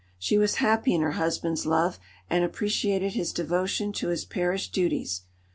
She was happy in her husband's love, and appreciated his devotion to his parish duties.